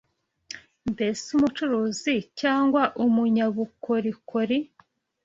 Mbese umucuruzi cyangwa umunyabukorikori